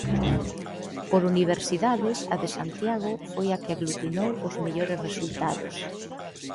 Por universidades, a de Santiago foi a que aglutinou os mellores resultados.